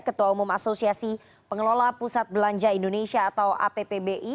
ketua umum asosiasi pengelola pusat belanja indonesia atau appbi